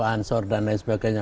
ansor dan lain sebagainya